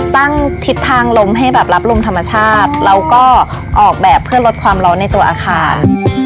ทิศทางลมให้แบบรับลมธรรมชาติแล้วก็ออกแบบเพื่อลดความร้อนในตัวอาคาร